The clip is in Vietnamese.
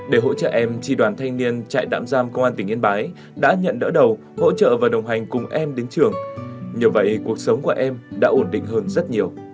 để hỗ trợ em tri đoàn thanh niên trại tạm giam công an tỉnh yên bái đã nhận đỡ đầu hỗ trợ và đồng hành cùng em đến trường nhờ vậy cuộc sống của em đã ổn định hơn rất nhiều